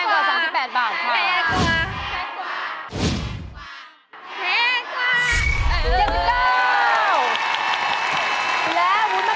แพงกว่าแพงกว่าแพงกว่าแพงกว่าแพงกว่าแพงกว่า